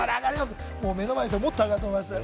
目の前ですから、もっと上がると思います。